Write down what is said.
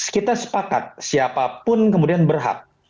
kita sepakat siapapun kemudian berhak